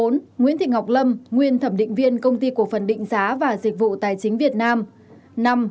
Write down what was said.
bốn nguyễn thị ngọc lâm nguyên thẩm định viên công ty cổ phần định giá và dịch vụ tài chính việt nam